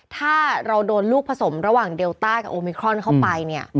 ถ้าเราโดนลูกผสมระหว่างเดลต้ากับโอมิครอนเข้าไปเนี่ย